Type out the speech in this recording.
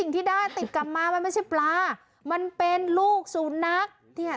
ที่ได้ติดกลับมามันไม่ใช่ปลามันเป็นลูกศูนย์นักเนี่ย